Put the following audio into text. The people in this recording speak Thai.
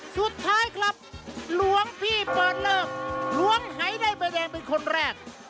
สุดท้ายครับหลวงพี่เปิดเลิกหลวงหายได้ใบแดงเป็นคนแรก